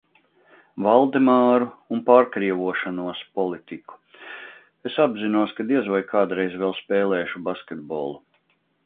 Valdemāru un pārkrievošanos politiku. Es apzinos, ka diez vai kādreiz vēl spēlēšu basketbolu.